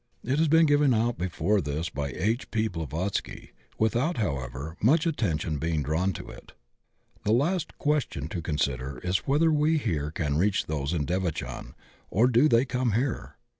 It has been given out before this by H. P. Blavatsky, without, however, much attention being drawn to it. The last question to consider is whether we here can reach those in devachan or do they come here.